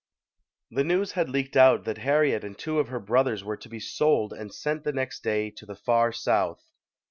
The news had leaked out that Harriet and two of her brothers were to be sold and sent the next day to the far South.